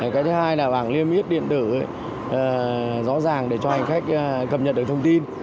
cái thứ hai là bảng liêm yếp điện tử rõ ràng để cho hành khách cập nhật được thông tin